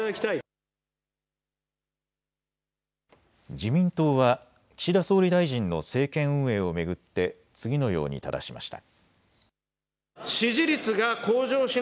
自民党は岸田総理大臣の政権運営を巡って次のようにただしました。